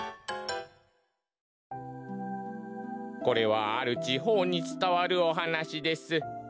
これはあるちほうにつたわるおはなしです。